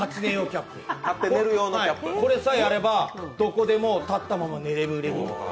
これさえあれば、どこでも立ってまま寝れるものとか。